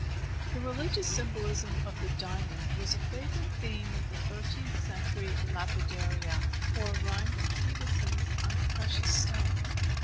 The religious symbolism of the diamond was a favorite theme with the thirteenth century "lapidaria," or rhymed treatises on precious stones.